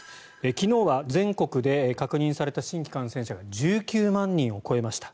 昨日は全国で確認された新規感染者が１９万人を超えました。